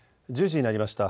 １０時になりました。